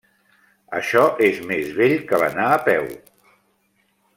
Això és més vell que l'anar a peu.